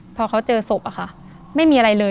พอเขาเจอศพอะค่ะ